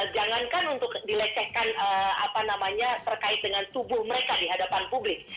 jangankan untuk dilecehkan apa namanya terkait dengan tubuh mereka di hadapan publik